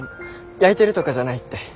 やいてるとかじゃないって。